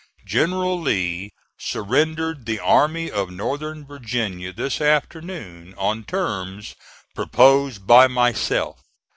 General Lee surrendered the Army of Northern Virginia this afternoon on terms proposed by myself.